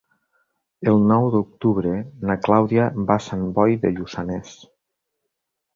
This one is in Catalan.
El nou d'octubre na Clàudia va a Sant Boi de Lluçanès.